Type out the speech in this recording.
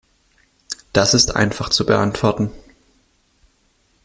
Das ist einfach zu beantworten.